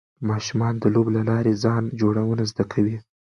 ماشومان د لوبو له لارې ځان جوړونه زده کوي.